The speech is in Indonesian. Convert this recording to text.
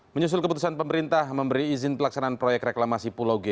menyusul keputusan pemerintah memberi izin pelaksanaan proyek reklamasi pulau g